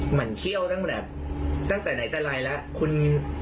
หมั่นเขี้ยวตั้งแต่ตั้งแต่ไหนตะไลคุณ